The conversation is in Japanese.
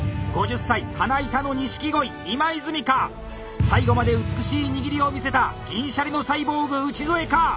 ５０歳花板の錦鯉今泉か⁉最後まで美しい握りを見せた銀シャリのサイボーグ内添か⁉